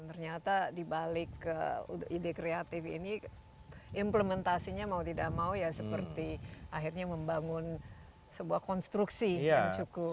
ternyata dibalik ide kreatif ini implementasinya mau tidak mau ya seperti akhirnya membangun sebuah konstruksi yang cukup